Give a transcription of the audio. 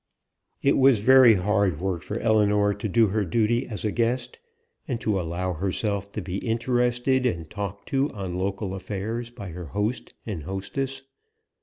It was very hard work for Ellinor to do her duty as a guest, and to allow herself to be interested and talked to on local affairs by her host and hostess.